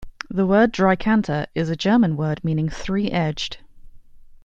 The word "Dreikanter" is a German word meaning "three-edged.